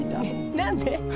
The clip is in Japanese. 何で？